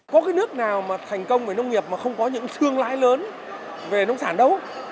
có cái nước nào mà thành công về nông nghiệp mà không có những thương lái lớn về nông sản đâu